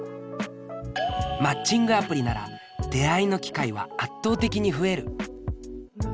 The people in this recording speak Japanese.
マッチングアプリなら出会いの機会は圧倒的に増える。